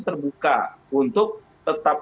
terbuka untuk tetap